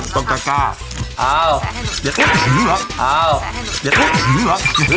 สร้อยนะคะอ่าวเดี๋ยวขึ้นอีกเหรอ